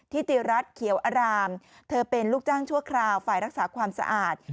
ธิติรัฐเขียวอารามเธอเป็นลูกจ้างชั่วคราวฝ่ายรักษาความสะอาด